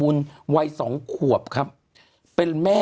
คุณหนุ่มกัญชัยได้เล่าใหญ่ใจความไปสักส่วนใหญ่แล้ว